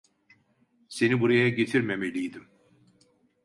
Seni buraya getirmemeliydim.